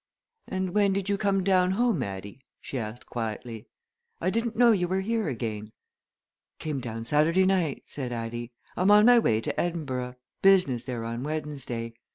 "And when did you come down home, Addie?" she asked quietly. "I didn't know you were here again." "Came down Saturday night," said Addie. "I'm on my way to Edinburgh business there on Wednesday.